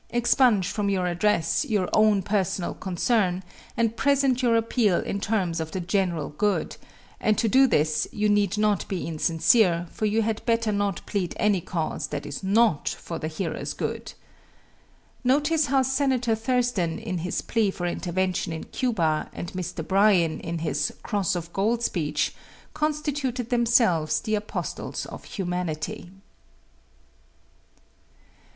Expunge from your address your own personal concern and present your appeal in terms of the general good, and to do this you need not be insincere, for you had better not plead any cause that is not for the hearers' good. Notice how Senator Thurston in his plea for intervention in Cuba and Mr. Bryan in his "Cross of Gold" speech constituted themselves the apostles of humanity.